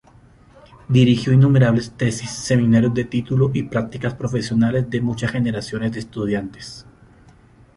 Dirigió innumerables tesis, seminarios de título y prácticas profesionales de muchas generaciones de estudiantes.